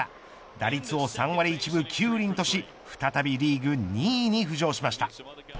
打率を３割１分９厘とし再びリーグ２位に浮上しました。